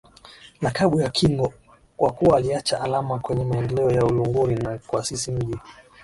lakabu ya Kingo kwa kuwa aliacha alama kwenye maendeleo ya Uluguru na kuasisi mji